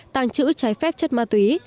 tàng trữ trái phép chất ma túy